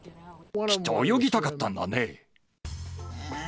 きっと泳ぎたかったんだね。